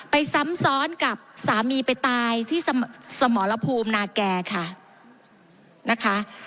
ซ้ำซ้อนกับสามีไปตายที่สมรภูมินาแก่ค่ะนะคะ